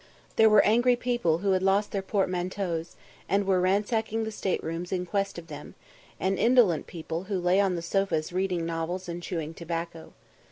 ] There were angry people who had lost their portmanteaus, and were ransacking the state rooms in quest of them, and indolent people who lay on the sofas reading novels and chewing tobacco.